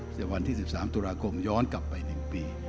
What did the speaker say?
ในวันที่๑๓ตุรกรมย้อนกลับไป๑ปี